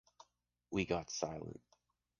We got silent.